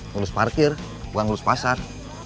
ngurus parkir bukan ngurus pasar